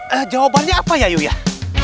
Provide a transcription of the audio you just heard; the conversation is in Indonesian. ah jawabannya apa ya yuyah